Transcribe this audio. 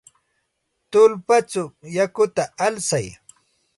Tullpachaw yakuta alsay.